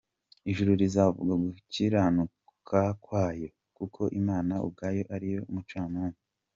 Ijuru rizavuga gukiranuka kwayo, Kuko Imana ubwayo ari yo mucamanza.